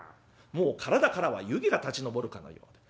もう体からは湯気が立ち上るかのようで。